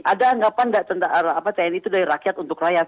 ada anggapan nggak tentang tni itu dari rakyat untuk rakyat